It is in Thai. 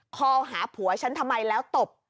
คอหาผัวฉันทำไมแล้วตบ